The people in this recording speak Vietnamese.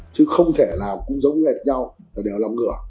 chứ không thể nào cũng giống nhau và đều làm ngựa